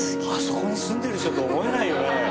あそこに住んでる人と思えないよね。